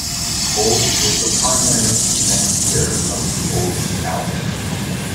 Olds was the primary financier of the Olds Tower.